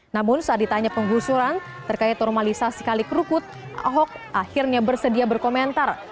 namun saat ditanya penggusuran terkait normalisasi kalikrukut ahok akhirnya bersedia berkomentar